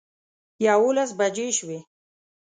یوولس بجې شوې.